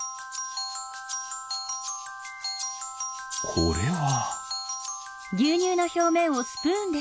これは。